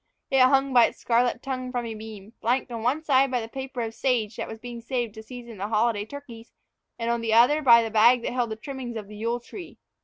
It hung by its scarlet tongue from a beam, flanked on one side by the paper of sage that was being saved to season the holiday turkeys, and on the other by the bag that held the trimmings of the Yule tree.